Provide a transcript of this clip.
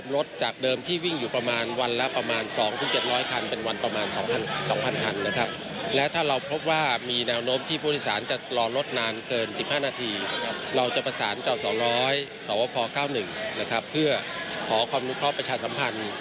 เราจะประสานเจ้า๒๐๐สวพ๙๑นะครับเพื่อขอความรู้ครอบประชาสัมพันธ์